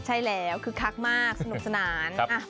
ใช่แล้วคึกคักมากสนุกสนาน